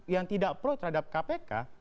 yang tidak pro terhadap kpk